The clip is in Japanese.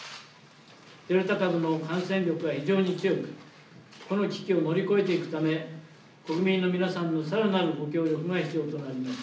デルタ株の感染力は非常に強くこの危機を乗り越えていくため国民の皆さんのさらなるご協力が必要となります。